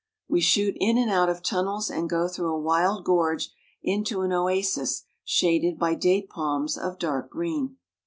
We shoot in and out of tunnels, and go through a wild gorge into an oasis shaded by date palms of dark green.